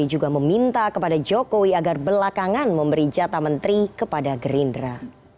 juga meminta kepada jokowi agar belakangan memberi jatah menteri kepada gerindra